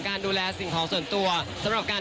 ที่สนชนะสงครามเปิดเพิ่ม